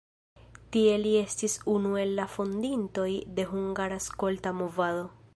Tie li estis unu el la fondintoj de hungara skolta movado.